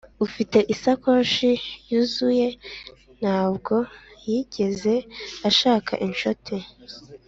ufite isakoshi yuzuye ntabwo yigeze ashaka inshuti.